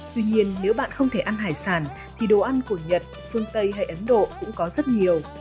tuy nhiên nếu bạn không thể ăn hải sản thì đồ ăn của nhật phương tây hay ấn độ cũng có rất nhiều